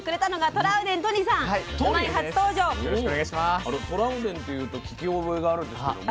トラウデンというと聞き覚えがあるんですけども。